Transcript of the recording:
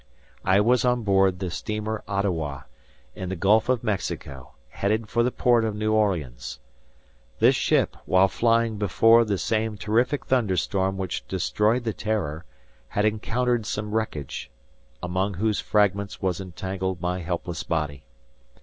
I was on board the steamer Ottawa, in the Gulf of Mexico, headed for the port of New Orleans. This ship, while flying before the same terrific thunder storm which destroyed the "Terror," had encountered some wreckage, among whose fragments was entangled my helpless body.